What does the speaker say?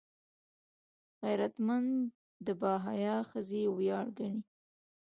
غیرتمند د باحیا ښځې ویاړ ګڼي